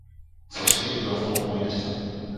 そして、噂を思い出した